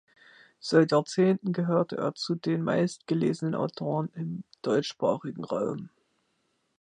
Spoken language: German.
Seit Jahrzehnten gehört er zu den meistgelesenen Autoren im deutschsprachigen Raum.